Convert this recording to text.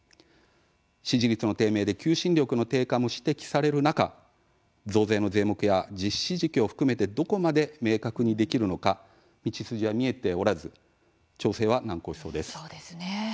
支持率の低迷で求心力の低下も指摘される中増税の税目や実施時期を含めてどこまで明確にできるのか道筋は見えておらずそうですね。